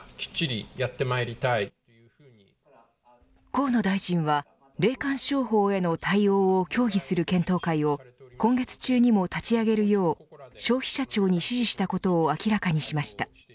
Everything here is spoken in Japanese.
河野大臣は霊感商法への対応を協議する検討会を今月中にも立ち上げるよう消費者庁に指示したことを明らかにしました。